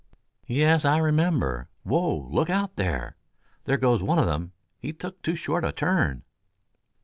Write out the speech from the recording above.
"Yes, I remember. Whoa! Look out, there! There goes one of them! He took too short a turn."